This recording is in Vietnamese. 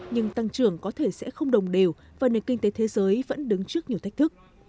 nhưng tăng trưởng có thể sẽ không đồng đều và nền kinh tế thế giới vẫn đứng trước nhiều thách thức